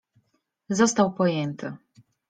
został pojęty.